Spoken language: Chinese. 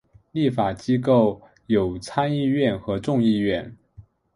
立法机构有参议院和众议院。